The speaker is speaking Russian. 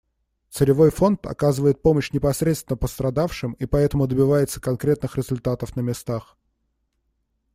Целевой фонд оказывает помощь непосредственно пострадавшим и поэтому добивается конкретных результатов на местах.